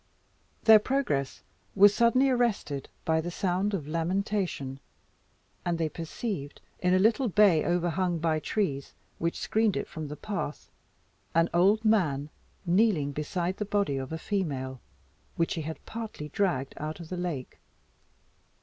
Their progress was suddenly arrested by the sound of lamentation, and they perceived, in a little bay overhung by trees, which screened it from the path, an old man kneeling beside the body of a female, which he had partly dragged out of the lake.